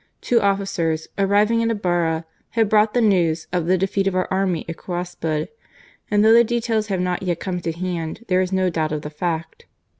Two officers, arriving at Ibarra, have brought the news of the defeat of our army at Cuaspud ; and though the details have not yet come to hand, there is no doubt of the fact.